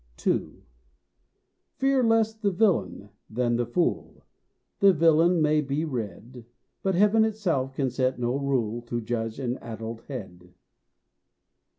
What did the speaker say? II. Fear less the villain than the fool. The villain may be read, But heaven itself can set no rule To judge an addled head.